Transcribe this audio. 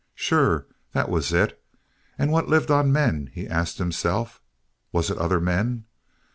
Sure, that was it! And what lived on men? he asked himself. Was it other men?